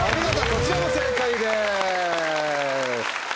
こちらも正解です。